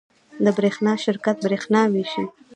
د برښنا شرکت بریښنا ویشي